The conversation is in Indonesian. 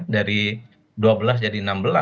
dari dua belas jadi enam belas